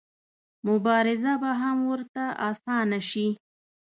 مبارزه به هم ورته اسانه شي.